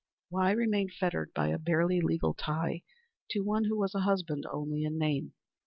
Why remain fettered by a bare legal tie to one who was a husband only in name?